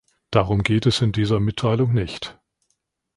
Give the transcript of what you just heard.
Darum geht es in dieser Mitteilung nicht.